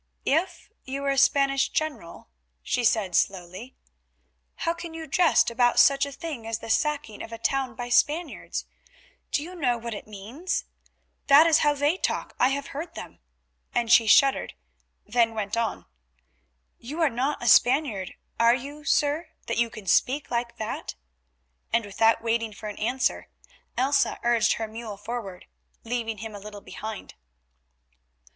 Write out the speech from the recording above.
"If you were a Spanish general," she said slowly. "How can you jest about such a thing as the sacking of a town by Spaniards? Do you know what it means? That is how they talk; I have heard them," and she shuddered, then went on: "You are not a Spaniard, are you, sir, that you can speak like that?" And without waiting for an answer Elsa urged her mule forward, leaving him a little behind.